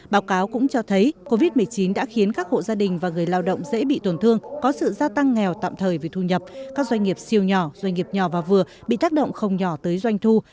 báo cáo cũng cho thấy covid một mươi chín đã khiến các hộ gia đình và người lao động dễ bị tổn thương có sự gia tăng nghèo tạm thời vì thu nhập các doanh nghiệp siêu nhỏ doanh nghiệp nhỏ và vừa bị tác động không nhỏ tới doanh thu